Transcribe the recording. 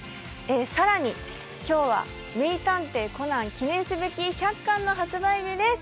更に、今日は「名探偵コナン」、記念すべき１００巻の発売です。